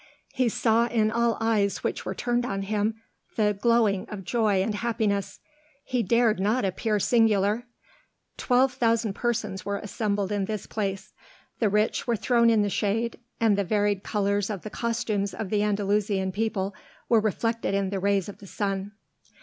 He saw in all eyes which were turned on him the glowing of joy and happiness; he dared not appear singular. Twelve thousand persons were assembled in this place; the rich were thrown in the shade, and the varied colors of the costumes of the Andalusian people were reflected in the rays of the sun.